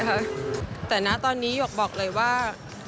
ไม่สวยค่ะแต่หน้าตอนนี้หยกบอกเลยว่า